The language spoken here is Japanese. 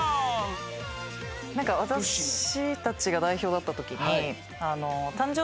私たちが代表だったときに。